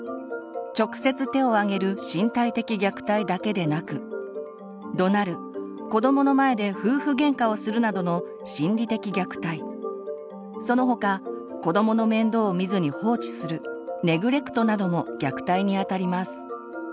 直接手をあげる「身体的虐待」だけでなくどなる子どもの前で夫婦ゲンカをするなどの「心理的虐待」その他子どもの面倒を見ずに放置する「ネグレクト」なども虐待にあたります。